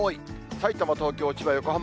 さいたま、東京、千葉、横浜。